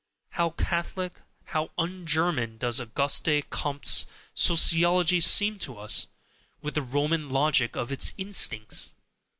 How Catholic, how un German does Auguste Comte's Sociology seem to us, with the Roman logic of its instincts!